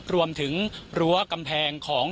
รวมถึงรั้วกำแพงของ